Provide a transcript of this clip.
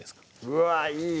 うわぁいい！